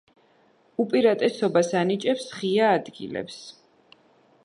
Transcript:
უპირატესობას ანიჭებს ღია ადგილებს.